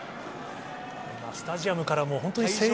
スタジアムからも、本当に声援が。